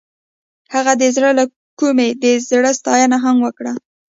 هغې د زړه له کومې د زړه ستاینه هم وکړه.